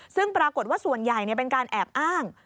ซึ่งปรากฏว่าส่วนใหญ่เป็นการแอบอ้าง